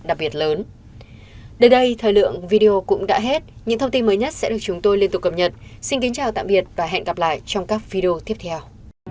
cảm ơn các bạn đã theo dõi và hẹn gặp lại trong các video tiếp theo